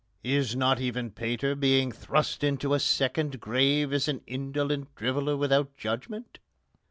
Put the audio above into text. Is not even Pater being thrust into a second grave as an indolent driveller without judgment?